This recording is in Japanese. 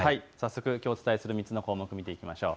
きょうお伝えする３つの項目を見ていきましょう。